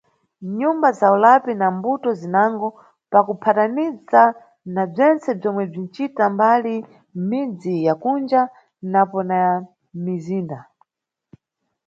Nʼnyumba za ulapi na mbuto zinango, pakuphataniza na bzentse bzomwe bzinʼcita mbali mʼmidzi ya kunja napo na ya mʼmizinda.